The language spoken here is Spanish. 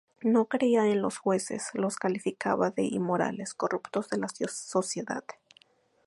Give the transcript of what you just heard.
No creía en los jueces los calificaba de inmorales, corruptos de la sociedad.